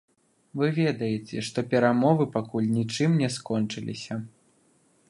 Вы ведаеце, што перамовы пакуль нічым не скончыліся.